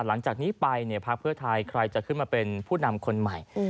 หลังจากนี้ไปพักเพื่อไทยใครจะขึ้นมาเป็นผู้นำคนใหม่